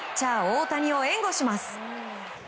大谷を援護します。